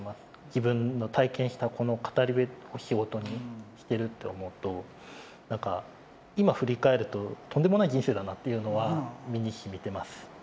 自分の体験したこの語り部を仕事にしてると思うと何か今振り返るととんでもない人生だなっていうのは身にしみてます。